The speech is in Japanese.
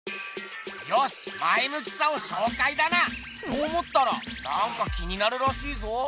よし前むきさを紹介だな！と思ったらなんか気になるらしいぞ？